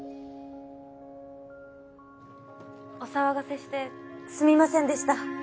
お騒がせしてすみませんでした。